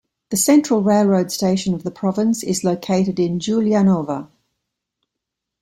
The central railroad station of the province is located in Giulianova.